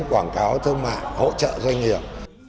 quảng cáo thương mạng hỗ trợ doanh nghiệp